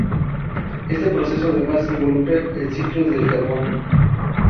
Este proceso además involucra al ciclo del carbono.